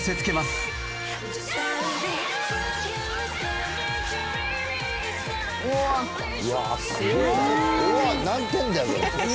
「すごい！」